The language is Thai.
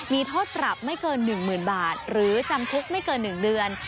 มีโทษปรับไม่เกิน๑๐๐๐บาทหรือจำคุกไม่เกิน๑เดือน